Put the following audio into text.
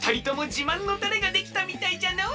じまんのたれができたみたいじゃのう！